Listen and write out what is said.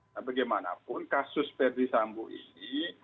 nah bagaimanapun kasus pertisambu ini